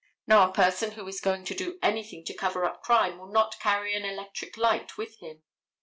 Now, a person who is going to do anything to cover up crime will not carry an electric light with him.